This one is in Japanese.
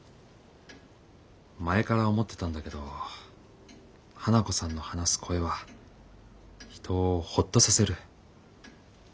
前から思ってたんだけど花子さんの話す声は人をほっとさせる。